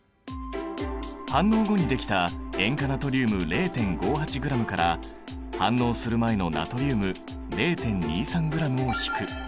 反応後にできた塩化ナトリウム０．５８ｇから反応する前のナトリウム０．２３ｇを引く。